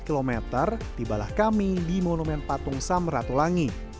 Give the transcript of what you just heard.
empat km tibalah kami di monumen patung samratulangi